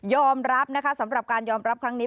อมรับนะคะสำหรับการยอมรับครั้งนี้